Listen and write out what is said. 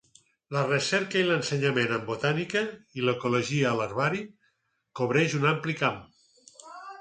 La recerca i l'ensenyament en botànica i l'ecologia a l'herbari cobreix un ampli camp.